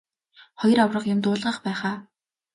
Хоёр аварга юм дуулгах байх аа.